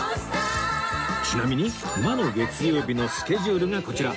ちなみに魔の月曜日のスケジュールがこちら